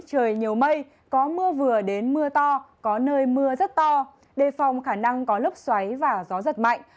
trời nhiều mây có mưa vừa đến mưa to có nơi mưa rất to đề phòng khả năng có lốc xoáy và gió giật mạnh